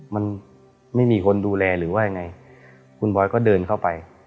มันไม่มีคนดูแลหรือว่ายังไงคุณบอยก็เดินเข้าไป